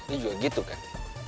ini juga gitu kan